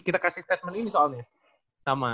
kita kasih statement ini soalnya